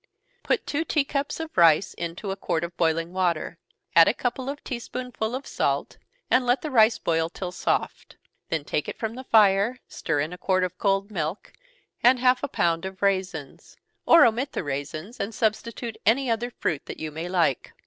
_ Put two tea cups of rice into a quart of boiling water add a couple of tea spoonsful of salt, and let the rice boil till soft. Then take it from the fire, stir in a quart of cold milk, and half a pound of raisins; or omit the raisins, and substitute any other fruit that you may like.